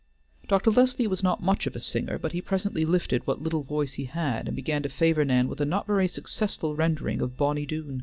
Dr. Leslie was not much of a singer, but he presently lifted what little voice he had, and began to favor Nan with a not very successful rendering of "Bonny Doon."